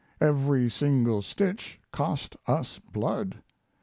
Every single stitch cost us blood.